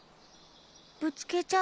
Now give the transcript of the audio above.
ぶつけちゃった！